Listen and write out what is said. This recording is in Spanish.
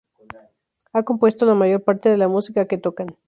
Ha compuesto la mayor parte de la música que tocan.